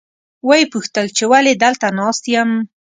ویې پوښتل چې ولې دلته ناست یم.